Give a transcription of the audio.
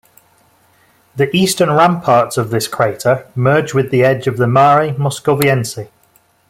The eastern ramparts of this crater merge with the edge of the Mare Moscoviense.